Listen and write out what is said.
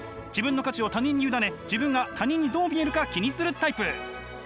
自分の価値を他人に委ね自分が他人にどう見えるか気にするタイプ。